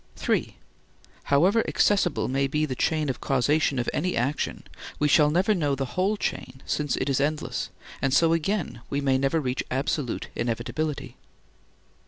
(3) However accessible may be the chain of causation of any action, we shall never know the whole chain since it is endless, and so again we never reach absolute inevitability.